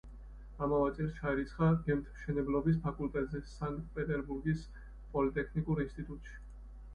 ამავე წელს ჩაირიცხა გემთმშენებლობის ფაკულტეტზე, სანქტ-პეტერბურგის პოლიტექნიკურ ინსტიტუტში.